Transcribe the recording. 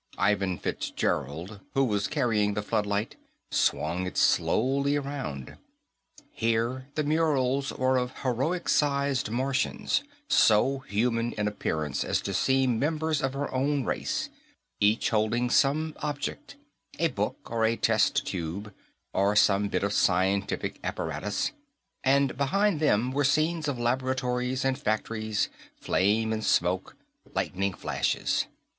Ivan Fitzgerald, who was carrying the floodlight, swung it slowly around. Here the murals were of heroic sized Martians, so human in appearance as to seem members of her own race, each holding some object a book, or a test tube, or some bit of scientific apparatus, and behind them were scenes of laboratories and factories, flame and smoke, lightning flashes.